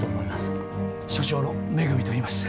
所長の恵といいます。